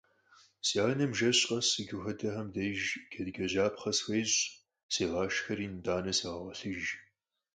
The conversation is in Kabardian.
Си анэм жэщ къэс иджы хуэдэм деж джэдыкӀэжьапхъэ схуещӀ, сегъашхэри, итӀанэ сегъэгъуэлъыж.